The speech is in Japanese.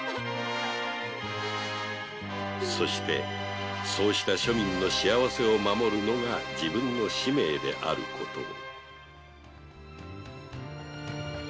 そしてそうした庶民の幸せを守るのが自分の使命であることを